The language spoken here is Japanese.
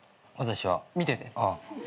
見てて。